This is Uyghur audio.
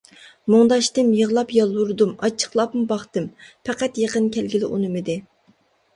مۇڭداشتىم، يىغلاپ يالۋۇردۇم، ئاچچىقلاپمۇ باقتىم، پەقەت يېقىن كەلگىلى ئۇنىمىدى.